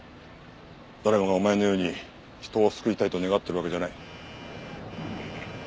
誰もがお前のように人を救いたいと願ってるわけじゃない。